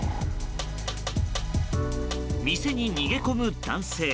店に逃げ込む男性。